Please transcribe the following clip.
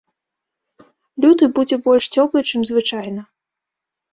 Люты будзе больш цёплы, чым звычайна.